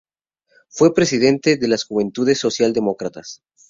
Fue presidente de las Juventudes socialdemócratas.